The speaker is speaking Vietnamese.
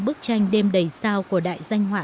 bức tranh đêm đầy sao của đại danh họa